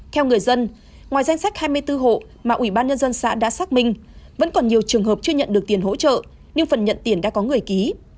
theo người dân ngoài danh sách hai mươi bốn hộ mà ủy ban nhân dân xã đã xác minh vẫn còn nhiều trường hợp chưa nhận được tiền hỗ trợ nhưng phần nhận tiền đã có người ký